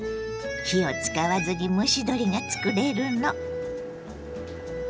火を使わずに蒸し鶏が作れるの。